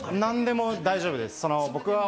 何でも大丈夫です。